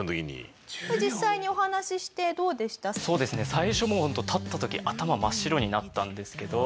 最初もうホント立った時頭真っ白になったんですけどまあ